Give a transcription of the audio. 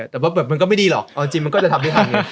แต่ว่ามันก็ไม่ดีหรอกเอาจริงมันก็จะทำได้ทัน